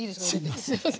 あすいません。